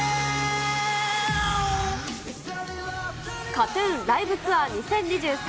ＫＡＴ−ＴＵＮライブツアー２０２３